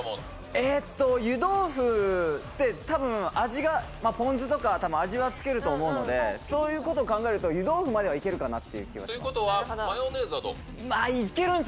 えーっと、湯豆腐って、たぶん味がポン酢とか、たぶん味はつけると思うので、そういうことを考えると、湯豆腐まではいけるかなって気はします。